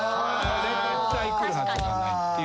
絶対来るはずがないっていう。